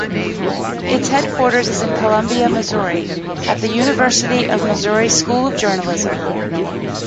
Its headquarters is in Columbia, Missouri, at the University of Missouri School of Journalism.